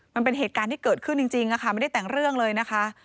มันเป็นเหตุการณ์ที่เกิดขึ้นจริงค่ะไม่ได้แต่งเรื่องเลยนะคะ